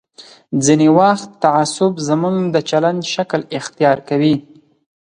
ځینې وخت تعصب زموږ د چلند شکل اختیار کوي.